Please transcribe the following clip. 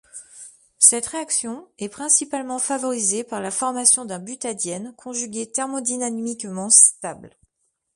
Cette réaction est principalement favorisée par la formation d'un butadiène conjugué thermodynamiquement stable.